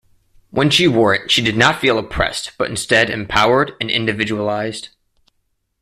When she wore it, she did not feel oppressed, but instead empowered and individualized.